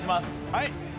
はい。